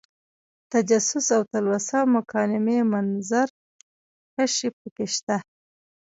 تجسس او تلوسه مکالمې منظر کشۍ پکې شته.